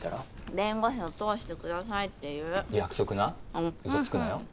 弁護士を通してくださいって言う約束な嘘つくなよ